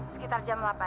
sekitar jam delapan